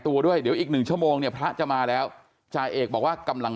ตัวด้วยเดี๋ยวอีกหนึ่งชั่วโมงเนี่ยพระจะมาแล้วจ่าเอกบอกว่ากำลัง